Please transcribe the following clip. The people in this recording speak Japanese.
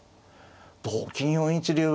同金４一竜は。